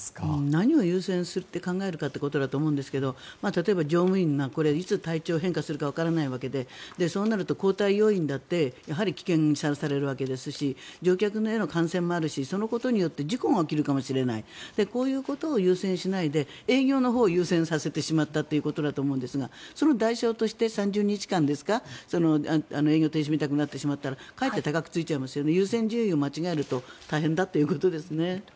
何を優先して考えるかということだと思うんですが例えば乗務員がいつ体調が変化するかわからないわけでそうなると交代要員だってやはり危険にさらされるわけですし乗客への感染もあるしそのことで事故が起きるかもしれないこういうことを優先しないで営業のほうを優先させてしまったということだと思うんですがその代償として３０日間ですか営業停止みたくなってしまったらかえって高くついちゃいますよね。